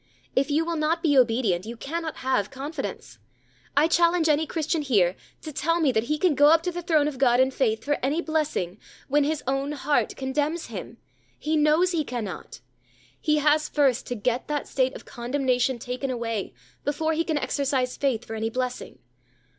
If you will not be obedient, you cannot have confidence. I challenge any Christian here to tell me that he can go up to the throne of God in faith for any blessing, when his own heart condemns him. He knows he cannot. HE HAS FIRST TO GET THAT STATE OF CONDEMNATION TAKEN AWAY before he can exercise faith for any blessing.